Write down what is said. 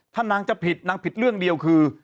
ถ้านางจะผิดนางผิดเรื่องเดียวคือ